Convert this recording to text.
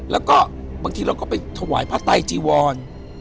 แล้วก็บางทีเราก็ไปถวายพระไตจีวร